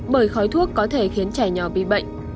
bởi khói thuốc có thể khiến trẻ nhỏ bị bệnh